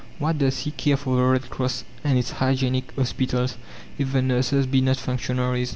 What does he care for the Red Cross and its hygienic hospitals, if the nurses be not functionaries!